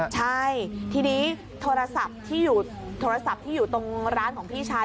ใช่ทีนี้โทรศัพท์ที่อยู่ตรงร้านของพี่ชาย